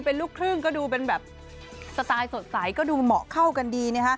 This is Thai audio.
เป็นลูกครึ่งก็ดูเป็นแบบสไตล์สดใสก็ดูเหมาะเข้ากันดีนะฮะ